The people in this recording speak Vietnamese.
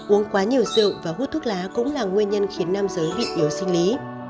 uống quá nhiều rượu và hút thuốc lá cũng là nguyên nhân khiến nam giới bị yếu sinh lý